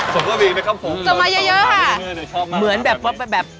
ใช่ครับ